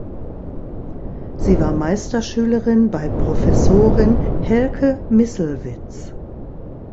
Sie war Meisterschülerin bei Professorin Helke Misselwitz.